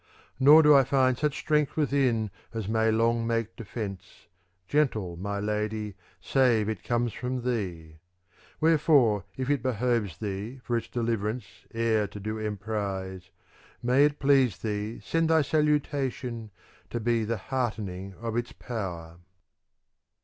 Nor do I find such strength within As may long make defence, gentle my lady, save it come from thee ; wherefore if it behoves thee for its deliverance e'er to do emprise may it please thee send thy salutation to be the heartening of its power.